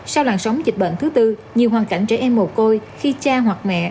sau làn sóng dịch bệnh thứ tư nhiều hoàn cảnh trẻ em mồ côi khi cha hoặc mẹ